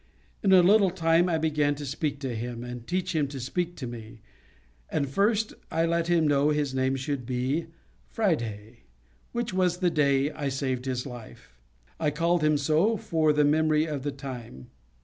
In a little time I began to speak to him, and teach him to speak to me; and first, I let him know his name should be Friday, which was the day I saved his life: I called him so for the memory of the time.